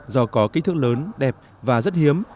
do có kích thước lớn đẹp và rất hiếm